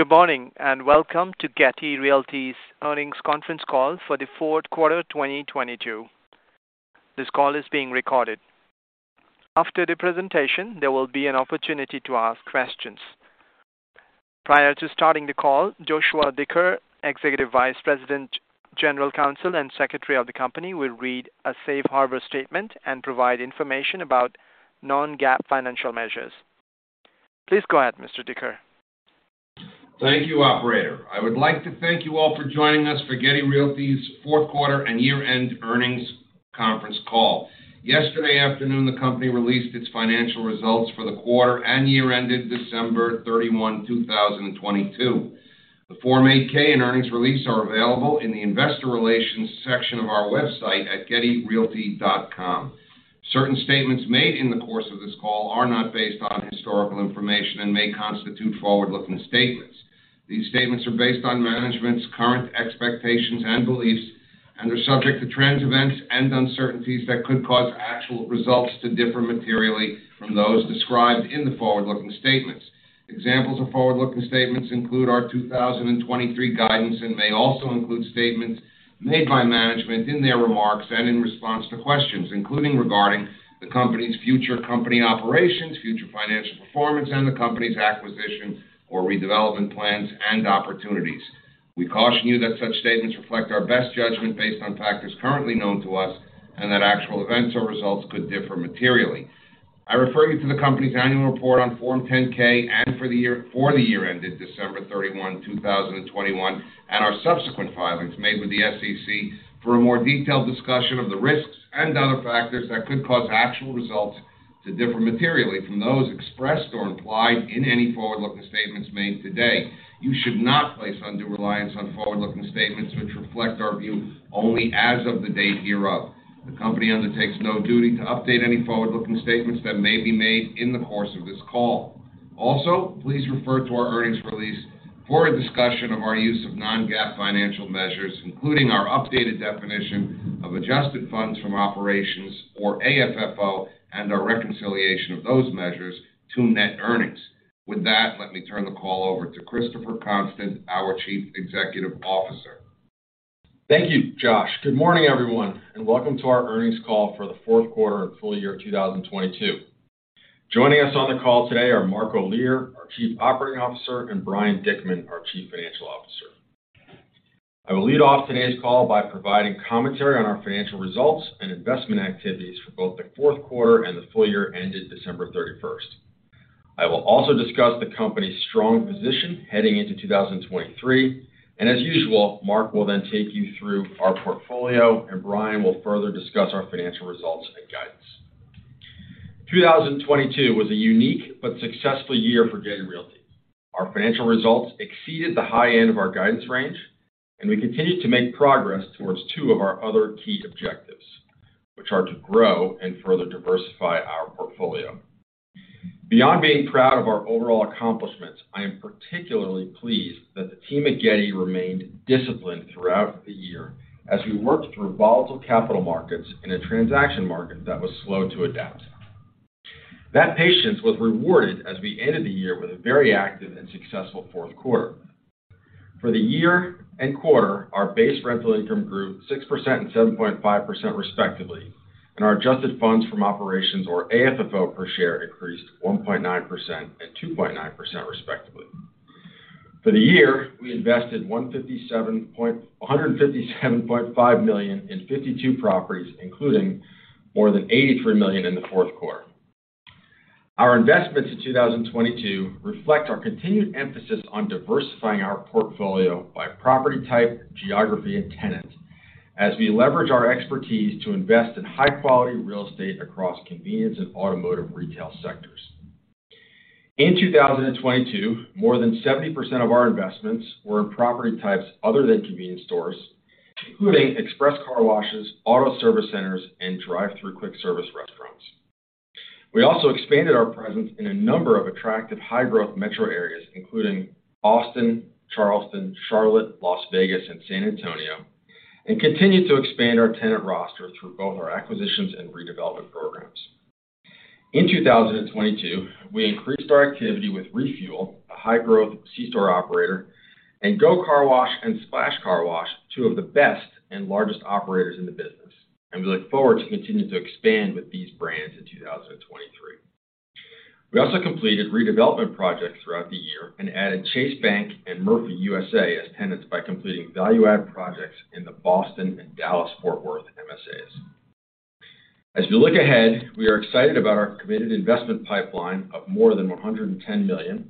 Good morning, welcome to Getty Realty's earnings conference Call for the fourth quarter, 2022. This call is being recorded. After the presentation, there will be an opportunity to ask questions. Prior to starting the call, Joshua Dicker, Executive Vice President, General Counsel, and Secretary of the company, will read a safe harbor statement and provide information about non-GAAP financial measures. Please go ahead, Mr. Dicker. Thank you, operator. I would like to thank you all for joining us for Getty Realty's fourth quarter and year-end earnings conference call. Yesterday afternoon, the company released its financial results for the quarter and year ended December 31, 2022. The Form 8-K and earnings release are available in the investor relations section of our website at gettyrealty.com. Certain statements made in the course of this call are not based on historical information and may constitute forward-looking statements. These statements are based on management's current expectations and beliefs and are subject to trends, events, and uncertainties that could cause actual results to differ materially from those described in the forward-looking statements. Examples of forward-looking statements include our 2023 guidance and may also include statements made by management in their remarks and in response to questions, including regarding the company's future company operations, future financial performance, and the company's acquisition or redevelopment plans and opportunities. We caution you that such statements reflect our best judgment based on factors currently known to us and that actual events or results could differ materially. I refer you to the company's annual report on Form 10-K and for the year ended December 31, 2021, and our subsequent filings made with the SEC for a more detailed discussion of the risks and other factors that could cause actual results to differ materially from those expressed or implied in any forward-looking statements made today. You should not place undue reliance on forward-looking statements, which reflect our view only as of the date hereof. The company undertakes no duty to update any forward-looking statements that may be made in the course of this call. Please refer to our earnings release for a discussion of our use of non-GAAP financial measures, including our updated definition of adjusted funds from operations or AFFO and our reconciliation of those measures to net earnings. With that, let me turn the call over to Christopher Constant, our Chief Executive Officer. Thank you, Josh. Good morning, everyone, and welcome to our earnings call for the fourth quarter and full year of 2022. Joining us on the call today are Mark Olear, our Chief Operating Officer, and Brian Dickman, our Chief Financial Officer. I will lead off today's call by providing commentary on our financial results and investment activities for both the fourth quarter and the full year ended December 31st. I will also discuss the company's strong position heading into 2023. As usual, Mark will then take you through our portfolio, and Brian will further discuss our financial results and guidance. 2022 was a unique but successful year for Getty Realty. Our financial results exceeded the high end of our guidance range, and we continued to make progress towards two of our other key objectives, which are to grow and further diversify our portfolio. Beyond being proud of our overall accomplishments, I am particularly pleased that the team at Getty remained disciplined throughout the year as we worked through volatile capital markets in a transaction market that was slow to adapt. That patience was rewarded as we ended the year with a very active and successful fourth quarter. For the year and quarter, our base rental income grew 6% and 7.5%, respectively, and our adjusted funds from operations, or AFFO per share, increased 1.9% and 2.9%, respectively. For the year, we invested $157.5 million in 52 properties, including more than $83 million in the fourth quarter. Our investments in 2022 reflect our continued emphasis on diversifying our portfolio by property type, geography, and tenant as we leverage our expertise to invest in high-quality real estate across convenience and automotive retail sectors. In 2022, more than 70% of our investments were in property types other than convenience stores, including express car washes, auto service centers, and drive-through quick service restaurants. We also expanded our presence in a number of attractive high-growth metro areas, including Austin, Charleston, Charlotte, Las Vegas, and San Antonio, and continued to expand our tenant roster through both our acquisitions and redevelopment programs. In 2022, we increased our activity with Refuel, a high-growth C-store operator, and GO Car Wash and Splash Car Wash, two of the best and largest operators in the business. We look forward to continuing to expand with these brands in 2023. We also completed redevelopment projects throughout the year and added Chase Bank and Murphy USA as tenants by completing value-add projects in the Boston and Dallas-Fort Worth MSAs. As we look ahead, we are excited about our committed investment pipeline of more than $110 million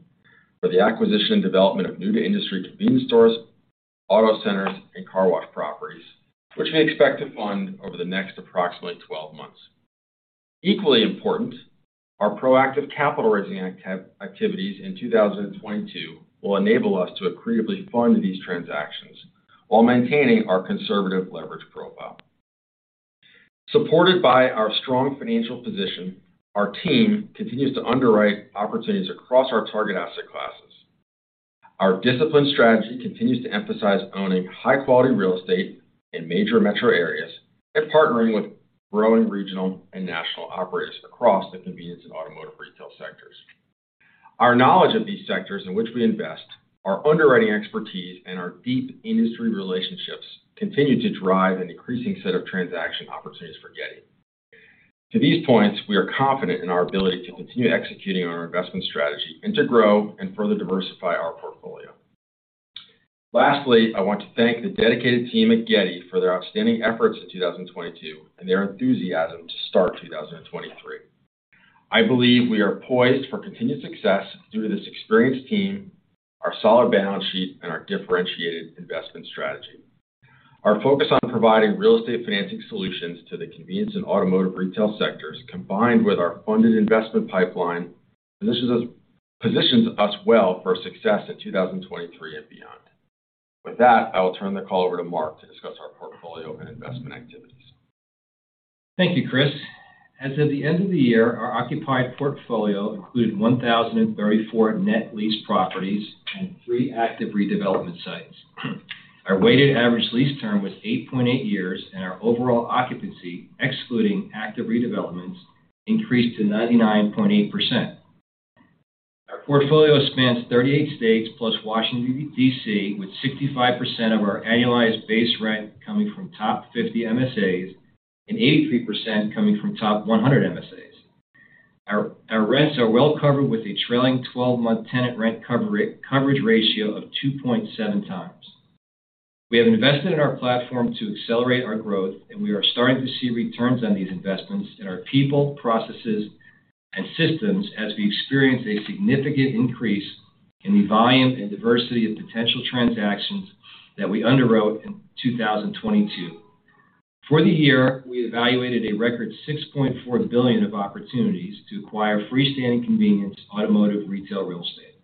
for the acquisition and development of new-to-industry convenience stores, auto centers, and car wash properties, which we expect to fund over the next approximately 12 months. Equally important, our proactive capital raising activities in 2022 will enable us to accretively fund these transactions while maintaining our conservative leverage profile. Supported by our strong financial position, our team continues to underwrite opportunities across our target asset classes. Our disciplined strategy continues to emphasize owning high-quality real estate in major metro areas and partnering with growing regional and national operators across the convenience and automotive retail sectors. Our knowledge of these sectors in which we invest, our underwriting expertise, and our deep industry relationships continue to drive an increasing set of transaction opportunities for Getty. To these points, we are confident in our ability to continue executing on our investment strategy and to grow and further diversify our portfolio. Lastly, I want to thank the dedicated team at Getty for their outstanding efforts in 2022 and their enthusiasm to start 2023. I believe we are poised for continued success due to this experienced team, our solid balance sheet, and our differentiated investment strategy. Our focus on providing real estate financing solutions to the convenience and automotive retail sectors, combined with our funded investment pipeline, positions us well for success in 2023 and beyond. With that, I will turn the call over to Mark to discuss our portfolio and investment activities. Thank you, Chris. As of the end of the year, our occupied portfolio included 1,034 net leased properties and three active redevelopment sites. Our weighted average lease term was 8.8 years, and our overall occupancy, excluding active redevelopments, increased to 99.8%. Our portfolio spans 38 states plus Washington, D.C., with 65% of our annualized base rent coming from top 50 MSAs and 83% coming from top 100 MSAs. Our rents are well covered with a trailing 12-month tenant rent coverage ratio of 2.7x. We have invested in our platform to accelerate our growth, and we are starting to see returns on these investments in our people, processes, and systems as we experience a significant increase in the volume and diversity of potential transactions that we underwrote in 2022. For the year, we evaluated a record $6.4 billion of opportunities to acquire freestanding convenience automotive retail real estate.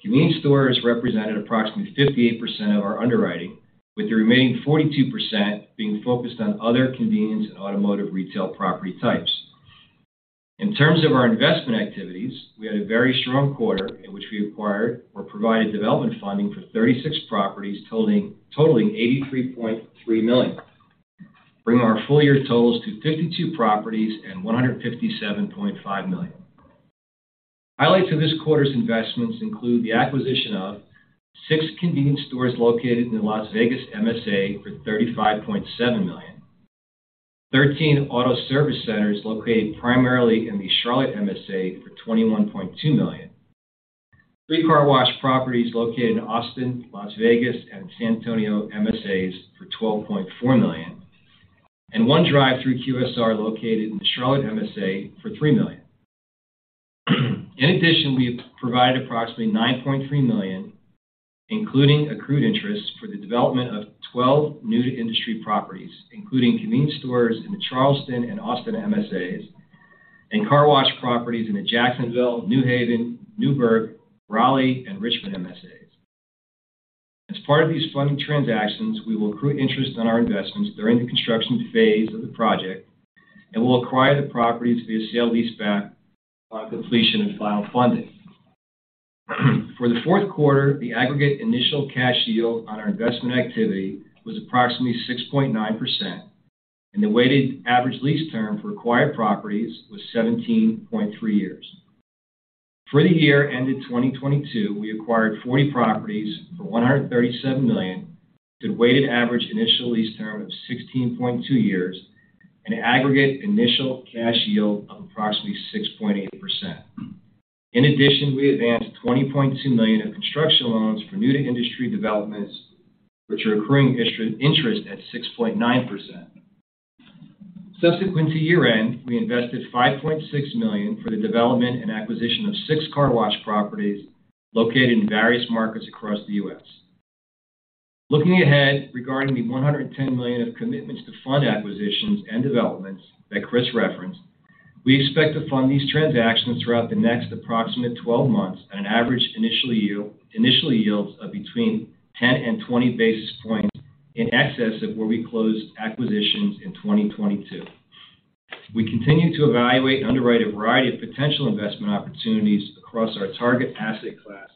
Convenience stores represented approximately 58% of our underwriting, with the remaining 42% being focused on other convenience and automotive retail property types. In terms of our investment activities, we had a very strong quarter in which we acquired or provided development funding for 36 properties totaling $83.3 million, bringing our full year totals to 52 properties and $157.5 million. Highlights of this quarter's investments include the acquisition of six convenience stores located in the Las Vegas MSA for $35.7 million. 13 auto service centers located primarily in the Charlotte MSA for $21.2 million. Three car wash properties located in Austin, Las Vegas, and San Antonio MSAs for $12.4 million. One drive-through QSR located in the Charlotte MSA for $3 million. In addition, we have provided approximately $9.3 million, including accrued interest, for the development of 12 new to industry properties, including convenience stores in the Charleston and Austin MSAs and car wash properties in the Jacksonville, New Haven, Newburgh, Raleigh, and Richmond MSAs. As part of these funding transactions, we will accrue interest on our investments during the construction phase of the project and will acquire the properties via sale-leaseback on completion of final funding. For the fourth quarter, the aggregate initial cash yield on our investment activity was approximately 6.9%, and the weighted average lease term for acquired properties was 17.3 years. For the year ended 2022, we acquired 40 properties for $137 million with a weighted average initial lease term of 16.2 years and an aggregate initial cash yield of approximately 6.8%. We advanced $20.2 million of construction loans for new to industry developments, which are accruing interest at 6.9%. Subsequent to year-end, we invested $5.6 million for the development and acquisition of 6 car wash properties located in various markets across the U.S. Looking ahead, regarding the $110 million of commitments to fund acquisitions and developments that Chris referenced, we expect to fund these transactions throughout the next approximate 12 months at an average initial yields of between 10 and 20 basis points in excess of where we closed acquisitions in 2022. We continue to evaluate and underwrite a variety of potential investment opportunities across our target asset classes.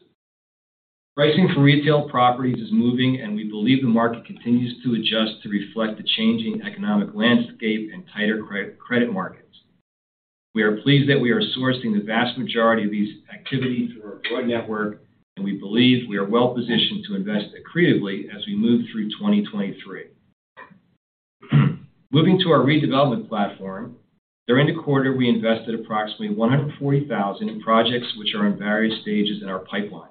Pricing for retail properties is moving, and we believe the market continues to adjust to reflect the changing economic landscape and tighter credit markets. We are pleased that we are sourcing the vast majority of these activities through our broad network, and we believe we are well positioned to invest accretively as we move through 2023. Moving to our redevelopment platform. During the quarter, we invested approximately $140,000 in projects which are in various stages in our pipeline.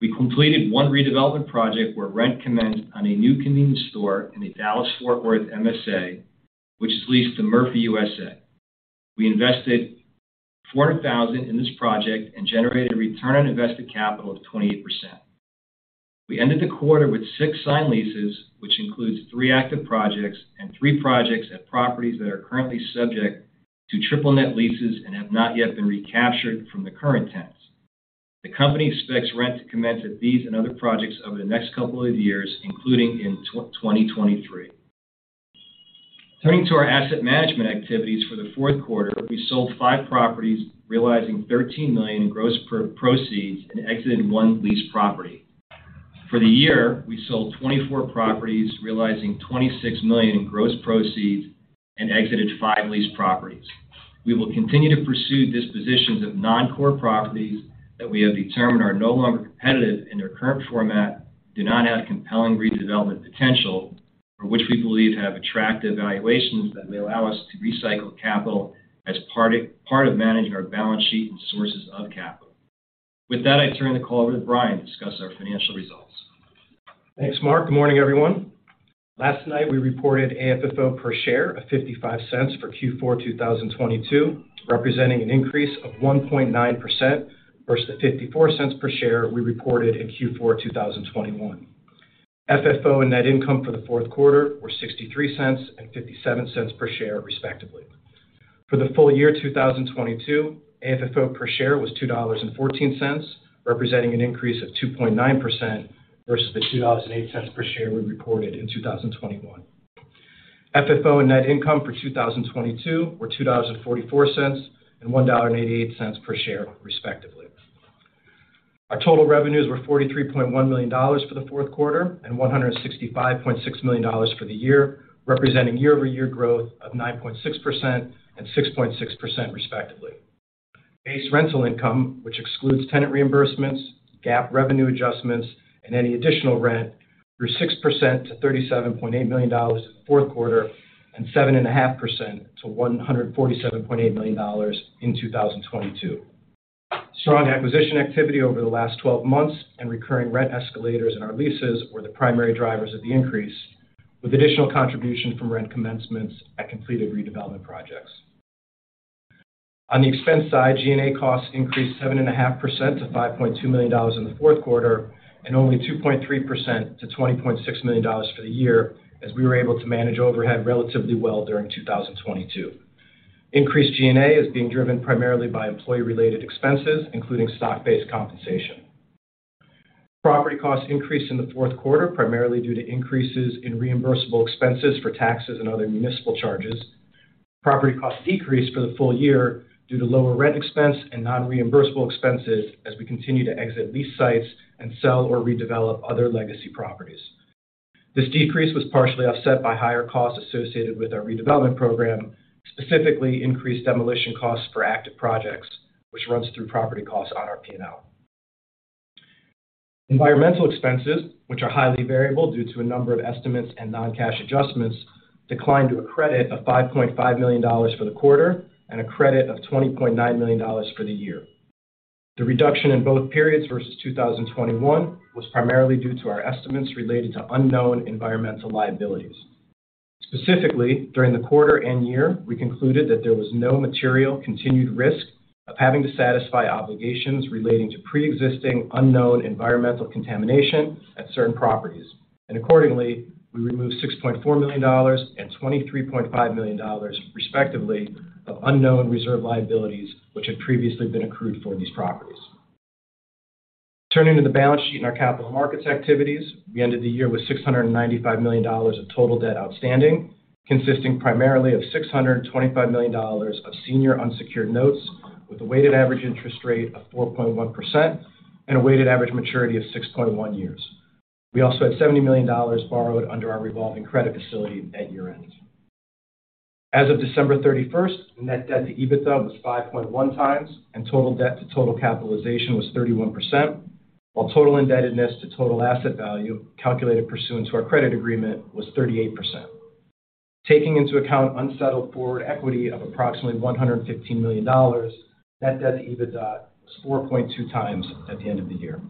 We completed one redevelopment project where rent commenced on a new convenience store in the Dallas-Fort Worth MSA, which is leased to Murphy USA. We invested $400,000 in this project and generated a return on invested capital of 28%. We ended the quarter with six signed leases, which includes three active projects and three projects at properties that are currently subject to Triple Net Leases and have not yet been recaptured from the current tenants. The company expects rent to commence at these and other projects over the next couple of years, including in 2023. Turning to our asset management activities for the fourth quarter. We sold five properties, realizing $13 million in gross proceeds and exited one lease property. For the year, we sold 24 properties, realizing $26 million in gross proceeds and exited five leased properties. We will continue to pursue dispositions of non-core properties that we have determined are no longer competitive in their current format, do not have compelling redevelopment potential, or which we believe have attractive valuations that may allow us to recycle capital as part of managing our balance sheet and sources of capital. With that, I turn the call over to Brian to discuss our financial results. Thanks, Mark. Good morning, everyone. Last night, we reported AFFO per share of $0.55 for Q4 2022, representing an increase of 1.9% versus the $0.54 per share we reported in Q4 2021. FFO and net income for the fourth quarter were $0.63 and $0.57 per share, respectively. For the full year 2022, AFFO per share was $2.14, representing an increase of 2.9% versus the $2.08 per share we reported in 2021. FFO and net income for 2022 were $2.44, and $1.88 per share, respectively. Our total revenues were $43.1 million for the fourth quarter and $165.6 million for the year, representing year-over-year growth of 9.6% and 6.6%, respectively. Base rental income, which excludes tenant reimbursements, GAAP revenue adjustments, and any additional rent, grew 6% to $37.8 million in the fourth quarter and 7.5% to $147.8 million in 2022. Strong acquisition activity over the last 12 months and recurring rent escalators in our leases were the primary drivers of the increase, with additional contribution from rent commencements at completed redevelopment projects. On the expense side, G&A costs increased 7.5% to $5.2 million in the fourth quarter and only 2.3% to $20.6 million for the year as we were able to manage overhead relatively well during 2022. Increased G&A is being driven primarily by employee-related expenses, including stock-based compensation. Property costs increased in the fourth quarter, primarily due to increases in reimbursable expenses for taxes and other municipal charges. Property costs decreased for the full year due to lower rent expense and non-reimbursable expenses as we continue to exit lease sites and sell or redevelop other legacy properties. This decrease was partially offset by higher costs associated with our redevelopment program, specifically increased demolition costs for active projects, which runs through property costs on our P&L. Environmental expenses, which are highly variable due to a number of estimates and non-cash adjustments, declined to a credit of $5.5 million for the quarter and a credit of $20.9 million for the year. The reduction in both periods versus 2021 was primarily due to our estimates related to unknown environmental liabilities. Specifically, during the quarter and year, we concluded that there was no material continued risk of having to satisfy obligations relating to pre-existing unknown environmental contamination at certain properties. Accordingly, we removed $6.4 million and $23.5 million, respectively, of unknown reserve liabilities which had previously been accrued for these properties. Turning to the balance sheet and our capital markets activities, we ended the year with $695 million of total debt outstanding, consisting primarily of $625 million of senior unsecured notes with a weighted average interest rate of 4.1% and a weighted average maturity of 6.1 years. We also had $70 million borrowed under our revolving credit facility at year-end. As of December 31st, net debt to EBITDA was 5.1x, and total debt to total capitalization was 31%, while total indebtedness to total asset value, calculated pursuant to our credit agreement, was 38%. Taking into account unsettled forward equity of approximately $115 million, net debt to EBITDA was 4.2x at the end of the year.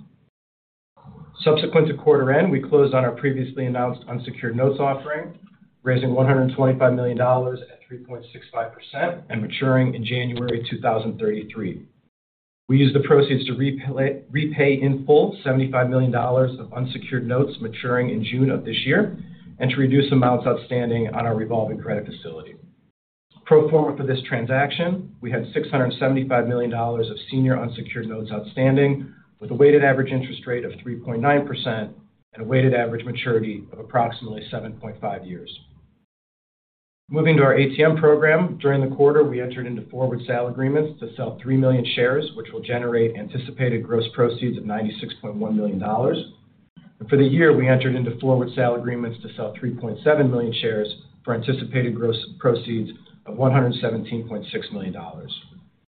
Subsequent to quarter-end, we closed on our previously announced unsecured notes offering, raising $125 million at 3.65% and maturing in January 2033. We used the proceeds to repay in full $75 million of unsecured notes maturing in June of this year and to reduce amounts outstanding on our revolving credit facility. Pro forma for this transaction, we had $675 million of senior unsecured notes outstanding with a weighted average interest rate of 3.9% and a weighted average maturity of approximately 7.5 years. Moving to our ATM program. During the quarter, we entered into forward sale agreements to sell 3 million shares, which will generate anticipated gross proceeds of $96.1 million. For the year, we entered into forward sale agreements to sell 3.7 million shares for anticipated gross proceeds of $117.6 million.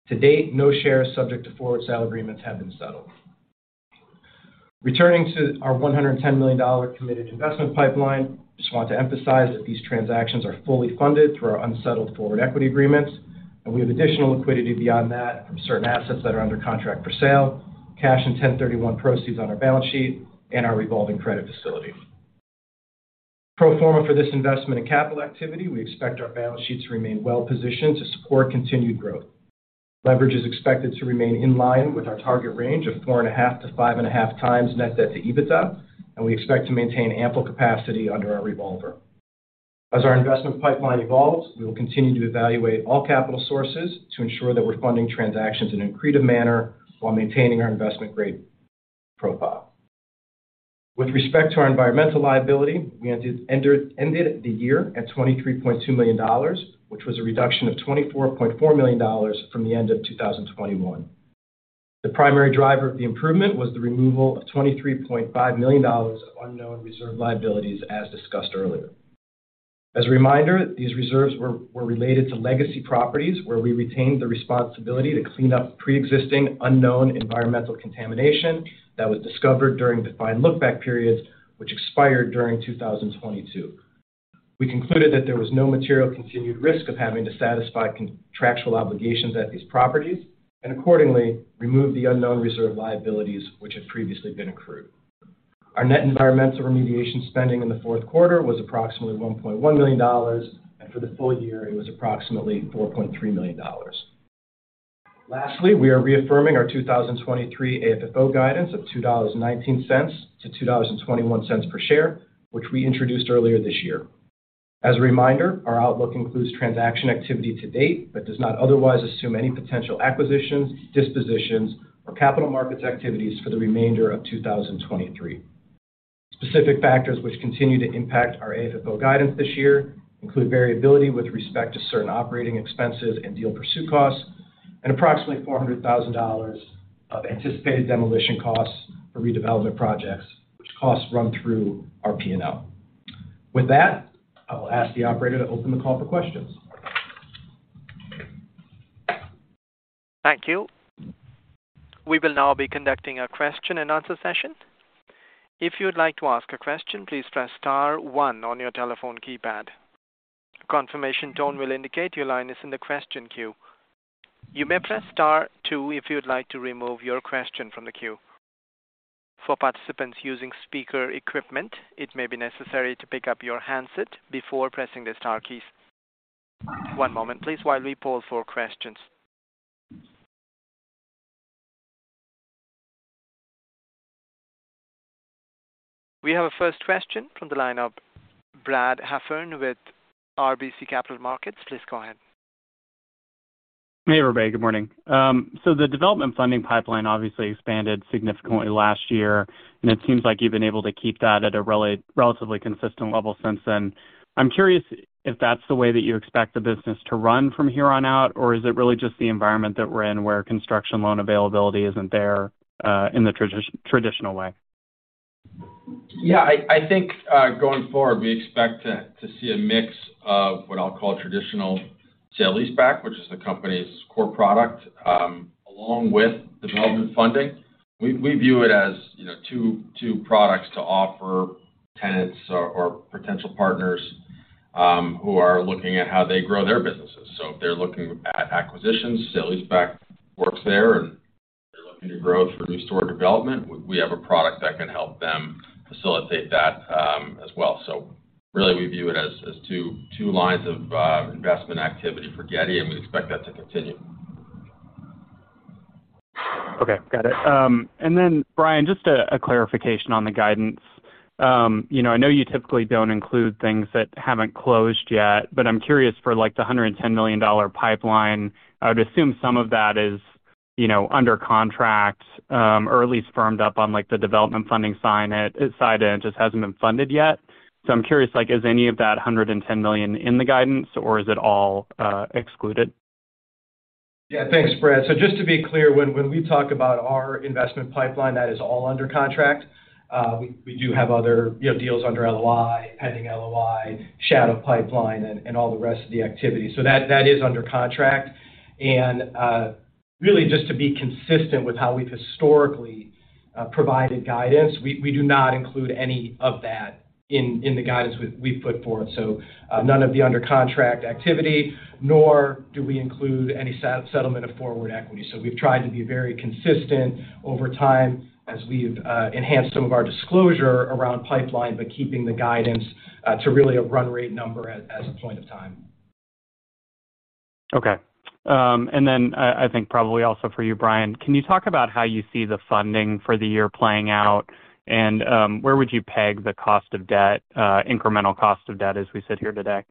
To date, no shares subject to forward sale agreements have been settled. Returning to our $110 million committed investment pipeline, I just want to emphasize that these transactions are fully funded through our unsettled forward equity agreements, and we have additional liquidity beyond that from certain assets that are under contract for sale, cash and 1031 proceeds on our balance sheet, and our revolving credit facility. Pro forma for this investment in capital activity, we expect our balance sheet to remain well positioned to support continued growth. Leverage is expected to remain in line with our target range of 4.5-5.5 times net debt to EBITDA, and we expect to maintain ample capacity under our revolver. As our investment pipeline evolves, we will continue to evaluate all capital sources to ensure that we're funding transactions in an accretive manner while maintaining our investment-grade profile. With respect to our environmental liability, we ended the year at $23.2 million, which was a reduction of $24.4 million from the end of 2021. The primary driver of the improvement was the removal of $23.5 million of unknown reserve liabilities as discussed earlier. A reminder, these reserves were related to legacy properties where we retained the responsibility to clean up pre-existing unknown environmental contamination that was discovered during defined look-back periods which expired during 2022. We concluded that there was no material continued risk of having to satisfy contractual obligations at these properties and accordingly removed the unknown reserve liabilities, which had previously been accrued. Our net environmental remediation spending in the fourth quarter was approximately $1.1 million, and for the full year, it was approximately $4.3 million. Lastly, we are reaffirming our 2023 AFFO guidance of $2.19-$2.21 per share, which we introduced earlier this year. As a reminder, our outlook includes transaction activity to date but does not otherwise assume any potential acquisitions, dispositions, or capital markets activities for the remainder of 2023. Specific factors which continue to impact our AFFO guidance this year include variability with respect to certain operating expenses and deal pursuit costs, and approximately $400,000 of anticipated demolition costs for redevelopment projects, which costs run through our P&L. With that, I will ask the operator to open the call for questions. Thank you. We will now be conducting a question-and-answer session. If you'd like to ask a question, please press Star one on your telephone keypad. Confirmation tone will indicate your line is in the question queue. You may press Star two if you'd like to remove your question from the queue. For participants using speaker equipment, it may be necessary to pick up your handset before pressing the star keys. One moment, please, while we poll for questions. We have a first question from the line of Brad Heffern with RBC Capital Markets. Please go ahead. Hey, everybody. Good morning. The development funding pipeline obviously expanded significantly last year, and it seems like you've been able to keep that at a relatively consistent level since then. I'm curious if that's the way that you expect the business to run from here on out, or is it really just the environment that we're in where construction loan availability isn't there, in the traditional way? Yeah, I think, going forward, we expect to see a mix of what I'll call traditional sale-leaseback, which is the company's core product, along with development funding. We view it as, you know, two products to offer tenants or potential partners, who are looking at how they grow their businesses. If they're looking at acquisitions, sale-leaseback works there. If they're looking to grow through new store development, we have a product that can help them facilitate that, as well. Really, we view it as two lines of investment activity for Getty, and we expect that to continue. Okay. Got it. Then Brian, just a clarification on the guidance. You know, I know you typically don't include things that haven't closed yet, but I'm curious for, like, the $110 million pipeline, I would assume some of that is, you know, under contract, or at least firmed up on, like, the development funding side, and it just hasn't been funded yet. I'm curious, like, is any of that $110 million in the guidance, or is it all excluded? Yeah. Thanks, Brad. Just to be clear, when we talk about our investment pipeline, that is all under contract. We do have other, you know, deals under LOI, pending LOI, shadow pipeline, and all the rest of the activity. That is under contract. Really just to be consistent with how we've historically provided guidance, we do not include any of that in the guidance we've put forward. None of the under contract activity, nor do we include any settlement of forward equity. We've tried to be very consistent over time as we've enhanced some of our disclosure around pipeline, but keeping the guidance to really a run rate number as a point of time. Okay. Then I think probably also for you, Brian, can you talk about how you see the funding for the year playing out, and, where would you peg the cost of debt, incremental cost of debt as we sit here today?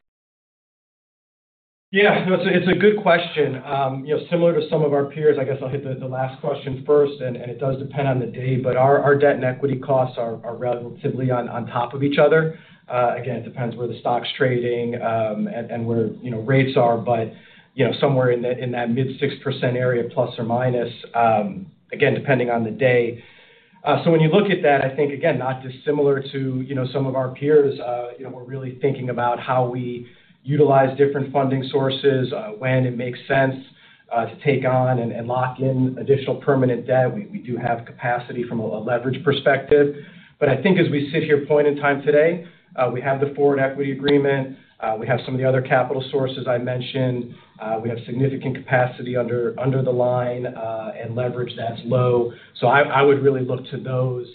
Yeah. No, it's a good question. You know, similar to some of our peers, I guess I'll hit the last question first. It does depend on the day, but our debt and equity costs are relatively on top of each other. Again, it depends where the stock's trading, and where, you know, rates are. But, you know, somewhere in that mid 6% area, plus or minus, again, depending on the day. When you look at that, I think, again, not dissimilar to, you know, some of our peers, you know, we're really thinking about how we utilize different funding sources, when it makes sense, to take on and lock in additional permanent debt. We do have capacity from a leverage perspective. I think as we sit here point in time today, we have the forward equity agreement. We have some of the other capital sources I mentioned. We have significant capacity under the line, and leverage that's low. I would really look to those,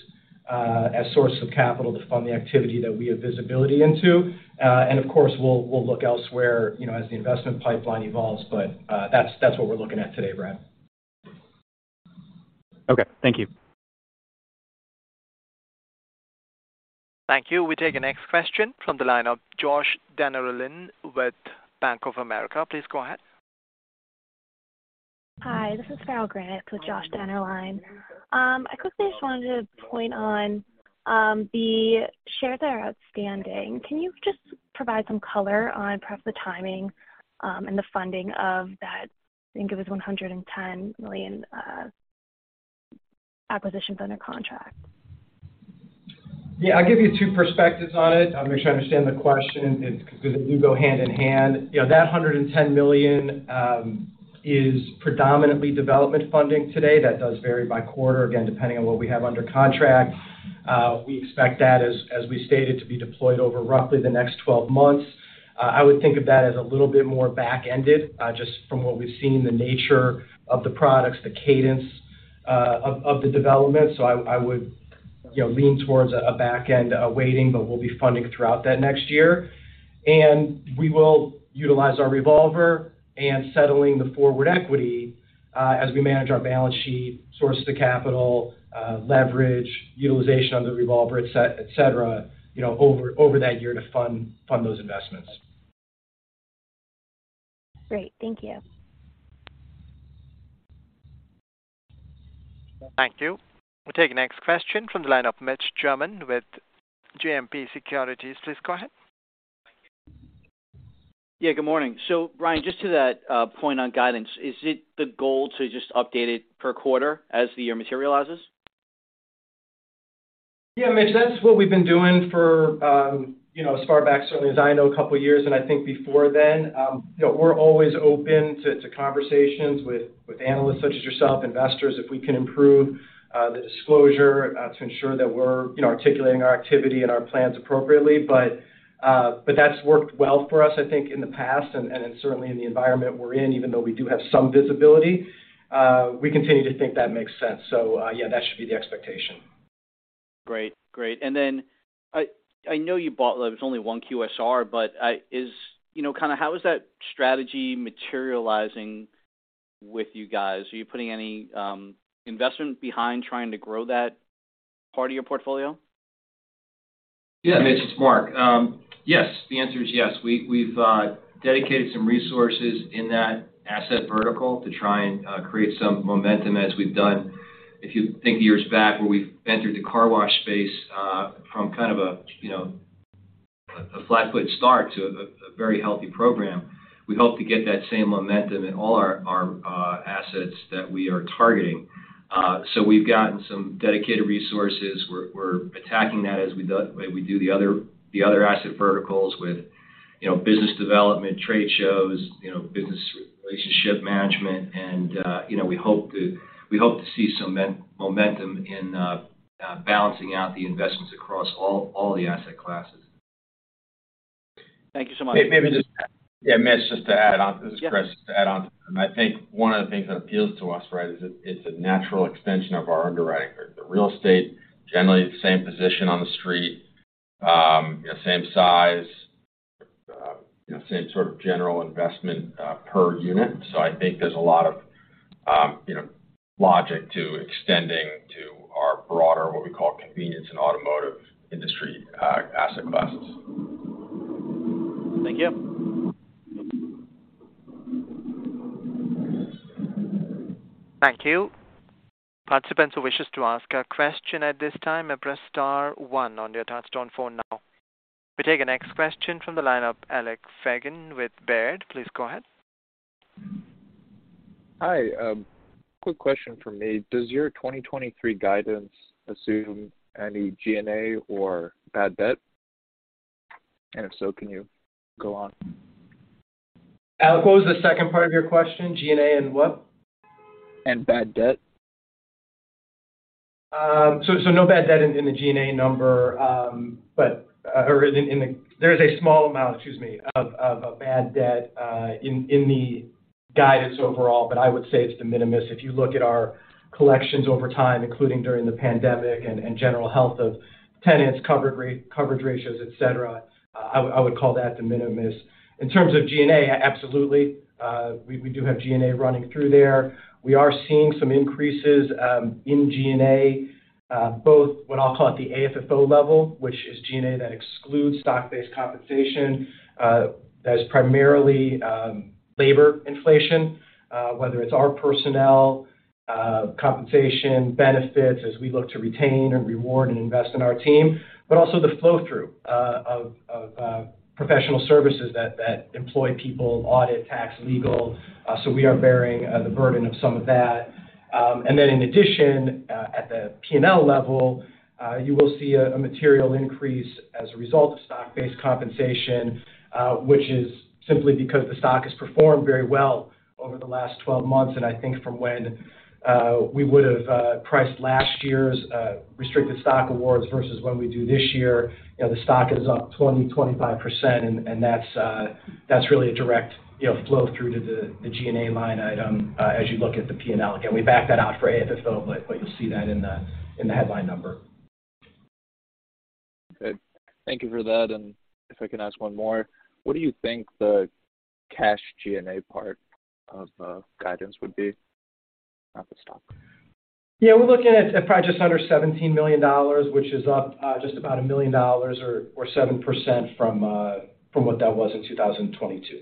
as sources of capital to fund the activity that we have visibility into. Of course, we'll look elsewhere, you know, as the investment pipeline evolves, that's what we're looking at today, Brad. Okay. Thank you. Thank you. We take the next question from the line of Joshua Dennerlein with Bank of America. Please go ahead. Hi, this is Farrell Granik with Joshua Dennerlein. I quickly just wanted to point on the shares that are outstanding. Can you just provide some color on perhaps the timing and the funding of that, I think it was $110 million? Acquisitions under contract. Yeah, I'll give you two perspectives on it. I'll make sure I understand the question because the two go hand in hand. You know, that $110 million is predominantly development funding today. That does vary by quarter, again, depending on what we have under contract. We expect that as we stated, to be deployed over roughly the next 12 months. I would think of that as a little bit more back-ended, just from what we've seen, the nature of the products, the cadence of the development. I would, you know, lean towards a back-end waiting, but we'll be funding throughout that next year. we will utilize our revolver and settling the forward equity, as we manage our balance sheet, source the capital, leverage, utilization on the revolver, et cetera, you know, over that year to fund those investments. Great. Thank you. Thank you. We'll take the next question from the line of Mitch Germain with JMP Securities. Please go ahead. Yeah, good morning. Brian, just to that point on guidance, is it the goal to just update it per quarter as the year materializes? Yeah, Mitch, that's what we've been doing for, you know, as far back certainly as I know, couple years and I think before then. You know, we're always open to conversations with analysts such as yourself, investors, if we can improve, the disclosure, to ensure that we're, you know, articulating our activity and our plans appropriately. That's worked well for us, I think, in the past and certainly in the environment we're in, even though we do have some visibility, we continue to think that makes sense. Yeah, that should be the expectation. Great. I know you bought, there's only one QSR, but, you know, kinda how is that strategy materializing with you guys? Are you putting any investment behind trying to grow that part of your portfolio? Yeah, Mitch, it's Mark. Yes. The answer is yes. We've dedicated some resources in that asset vertical to try and create some momentum as we've done. If you think years back where we've entered the car wash space, from kind of a, you know, a flat foot start to a very healthy program. We hope to get that same momentum in all our assets that we are targeting. We've gotten some dedicated resources. We're attacking that as we do the way we do the other asset verticals with, you know, business development, trade shows, you know, business relationship management. You know, we hope to see some momentum in balancing out the investments across all the asset classes. Thank you so much. Maybe just, Yeah, Mitch, just to add on. Yeah. This is Chris. Just to add on to that. I think one of the things that appeals to us, right, it's a natural extension of our underwriting. They're real estate, generally the same position on the street, same size, same sort of general investment per unit. I think there's a lot of, you know, logic to extending to our broader, what we call convenience and automotive industry, asset classes. Thank you. Thank you. Participants who wishes to ask a question at this time may press Star one on your touchtone phone now. We take the next question from the line of Alex Fagan with Baird. Please go ahead. Hi. quick question from me. Does your 2023 guidance assume any G&A or bad debt? If so, can you go on? Alex, what was the second part of your question? G&A and what? bad debt. No bad debt in the G&A number. There is a small amount, excuse me, of bad debt in the guidance overall, but I would say it's de minimis. If you look at our collections over time, including during the pandemic and general health of tenants, coverage ratios, et cetera, I would call that de minimis. In terms of G&A, absolutely, we do have G&A running through there. We are seeing some increases in G&A, both what I'll call at the AFFO level, which is G&A that excludes stock-based compensation. That is primarily labor inflation, whether it's our personnel, compensation, benefits as we look to retain and reward and invest in our team, but also the flow through of professional services that employ people, audit, tax, legal. We are bearing the burden of some of that. Then in addition, at the P&L level, you will see a material increase as a result of stock-based compensation, which is simply because the stock has performed very well over the last 12 months. I think from when we would've priced last year's restricted stock awards versus when we do this year, you know, the stock is up 20%-25%, and that's really a direct, you know, flow through to the G&A line item, as you look at the P&L. Again, we back that out for AFFO, but you'll see that in the headline number. Good. Thank you for that. If I can ask one more. What do you think the cash G&A part of guidance would be? Not the stock. Yeah, we're looking at probably just under $17 million, which is up, just about $1 million or 7% from what that was in 2022.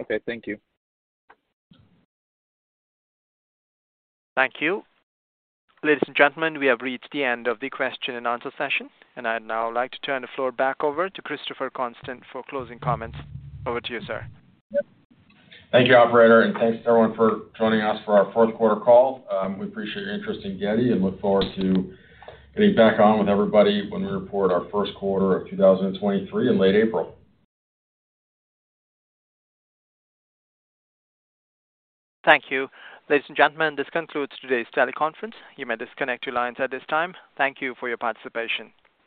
Okay, thank you. Thank you. Ladies and gentlemen, we have reached the end of the question-and-answer session. I'd now like to turn the floor back over to Christopher Constant for closing comments. Over to you, sir. Thank you, operator, and thanks to everyone for joining us for our fourth quarter call. We appreciate your interest in Getty and look forward to getting back on with everybody when we report our first quarter of 2023 in late April. Thank you. Ladies and gentlemen, this concludes today's teleconference. You may disconnect your lines at this time. Thank you for your participation.